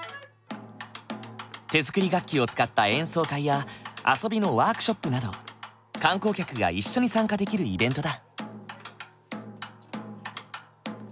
手作り楽器を使った演奏会や遊びのワークショップなど観光客が一緒に参加できるイベントだ。